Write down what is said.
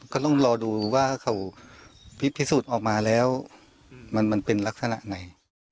ก็ต้องรอดูว่าเขาพิสูจน์ออกมาแล้วมันเป็นลักษณะไหน